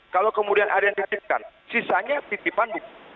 kalau kemudian ada yang dititipkan sisanya titipan bukti